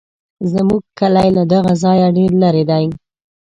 زموږ کلی له دغه ځایه ډېر لرې دی.